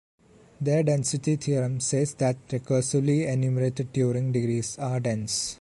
Their density theorem says that recursively enumerated Turing degrees are dense.